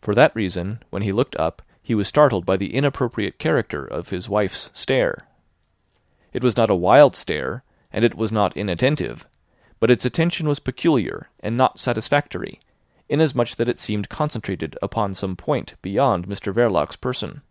For that reason, when he looked up he was startled by the inappropriate character of his wife's stare. It was not a wild stare, and it was not inattentive, but its attention was peculiar and not satisfactory, inasmuch that it seemed concentrated upon some point beyond Mr Verloc's person.